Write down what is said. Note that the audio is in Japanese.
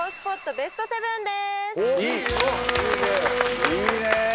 いいね